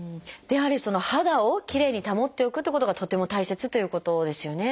やはり肌をきれいに保っておくってことがとっても大切ということですよね。